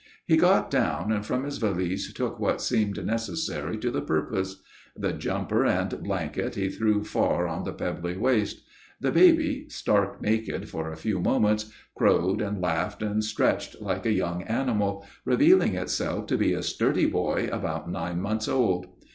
He got down and from his valise took what seemed necessary to the purpose. The jumper and blanket he threw far on the pebbly waste. The baby, stark naked for a few moments, crowed and laughed and stretched like a young animal, revealing itself to be a sturdy boy about nine months old.